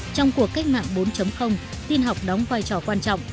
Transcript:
trong cuộc cách mạng bốn tin học đóng vai trò quan trọng